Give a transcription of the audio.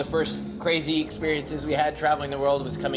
bahwa musik telah mencapai kebanyakan tempat di rumah kami